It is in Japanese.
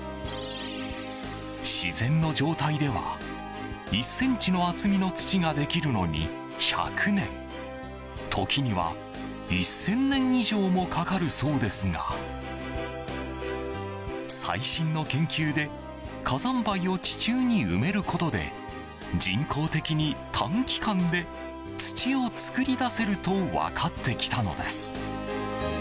自然の状態では１ｃｍの厚みの土ができるのに１００年、時には１０００年以上もかかるそうですが最新の研究で火山灰を地中に埋めることで人工的に短期間で土を作り出せると分かってきたのです。